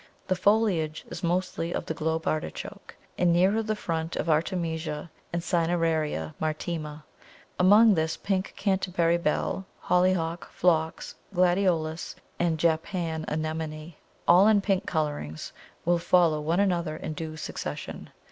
The foliage is mostly of the Globe Artichoke, and nearer the front of Artemisia and Cineraria maritima. Among this, pink Canterbury Bell, Hollyhock, Phlox, Gladiolus, and Japan Anemone, all in pink colourings, will follow one another in due succession.